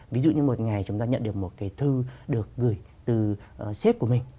ví dụ như một ngày chúng ta nhận được một cái thư được gửi từ ship của mình